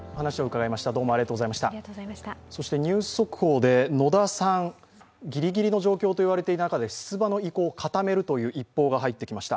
ニュース速報で野田さん、ギリギリの状況と言われている中で出馬の意向を固めるという一報が入っていきました。